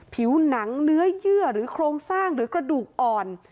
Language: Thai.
ผิวหนังเนื้อเยื่อหรือโครงสร้างหรือกระดูกอ่อน